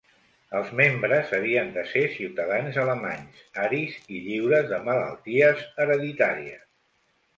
Els membres havien de ser ciutadans alemanys, aris, i lliures de malalties hereditàries.